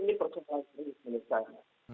ini persoalan serius menurut saya